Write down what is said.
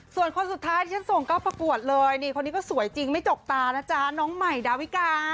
ส่วนคนสุดท้ายที่ฉันส่งเข้าประกวดเลยนี่คนนี้ก็สวยจริงไม่จกตานะจ๊ะน้องใหม่ดาวิกา